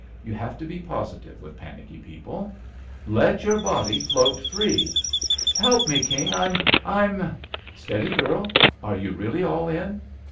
(You have to be positive with panicky people.) "Let your body float free I" "Help me, King— I'm— I'm— " JUST SWEETHEARTS "Steady, girl! Are you really all in?"